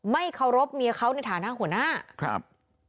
ไม่เคารพเมียเขาในฐานะหัวหน้าครับ